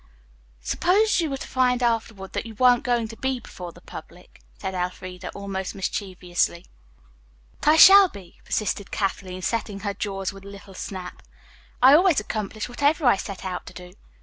"Suppose you were to find afterward that you weren't going to be before the public," said Elfreda almost mischievously. "But I shall be," persisted Kathleen, setting her jaws with a little snap. "I always accomplish whatever I set out to do.